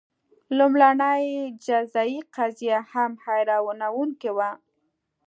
لومړنۍ جزايي قضیه هم حیرانوونکې وه.